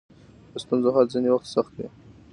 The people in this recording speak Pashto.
د ستونزو حل ځینې وخت سخت وي.